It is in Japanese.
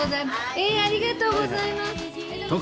えっありがとうございます。